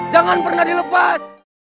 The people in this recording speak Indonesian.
jangan pernah dilepas